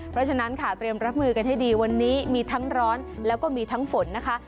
เพราะฉะนั้นค่ะเตรียมรับมือกันให้ดีวันนี้มีทั้งร้อนแล้วก็มีทั้งฝนนะคะ